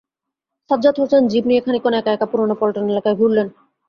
Sajjad Hossain jeep নিয়ে খানিকক্ষণ একা-একা পুরানা পন্টন এলাকায় ঘুরলেন।